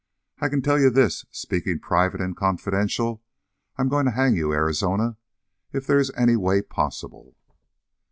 I can tell you this, speaking private and confidential, I'm going to hang you, Arizona, if there's any way possible!"